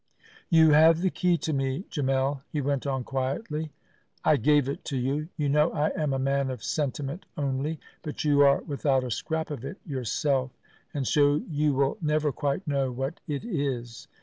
"You have the key to me, Gemmell," he went on quietly. "I gave it to you. You know I am a man of sentiment only; but you are without a scrap of it yourself, and so you will never quite know what it is.